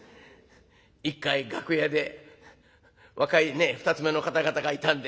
一回楽屋で若いね二つ目の方々がいたんで言ったんですよ。